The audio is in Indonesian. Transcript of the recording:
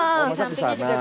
kalau masak di sana